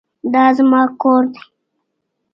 دا زما کور دی.